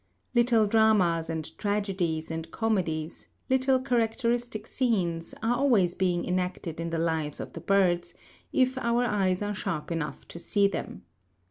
Little dramas and tragedies and comedies, little characteristic scenes, are always being enacted in the lives of the birds, if our eyes are sharp enough to see them.